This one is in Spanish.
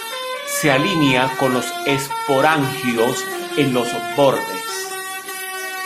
Se alinea con los esporangios en los bordes.